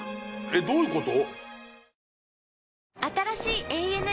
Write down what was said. どういうこと？